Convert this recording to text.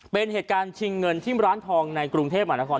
เป็นเหตุการณ์ชิงเงินที่ร้านทองในกรุงเทพมหานคร